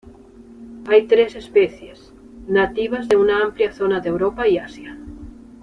Hay tres especies, nativas de una amplia zona de Europa y Asia.